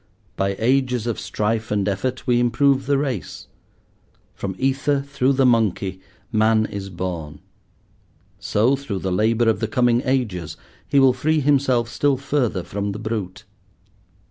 By ages of strife and effort we improve the race; from ether, through the monkey, man is born. So, through the labour of the coming ages, he will free himself still further from the brute.